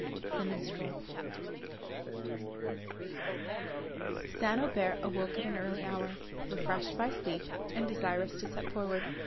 THE MINSTREL St. Aubert awoke at an early hour, refreshed by sleep, and desirous to set forward.